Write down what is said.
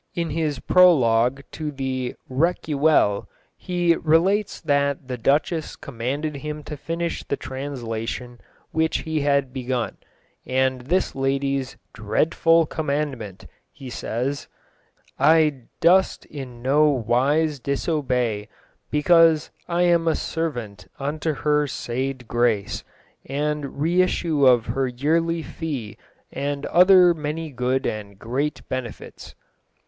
In the prologue to The Recuyell he relates that the duchess commanded him to finish the translation which he had begun, and this lady's "dredefull comandement," he says, "y durste in no wyse disobey because y am a servant vnto her sayde grace and resseiue of her yerly ffee and other many goode and grete benefetes."